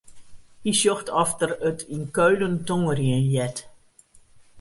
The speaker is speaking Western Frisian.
Hy sjocht oft er it yn Keulen tongerjen heart.